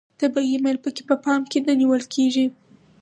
طبیعي میل پکې په پام کې نه نیول کیږي.